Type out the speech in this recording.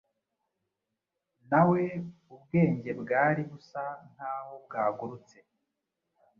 nawe ubwengebwari busa nk’aho bwagurutse